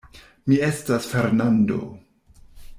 Mi estas Fernando.